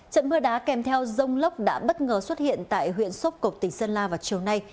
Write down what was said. trận mưa đá kèm theo rông lốc đã bất ngờ xuất hiện tại huyện sốc cục tỉnh sơn la vào chiều nay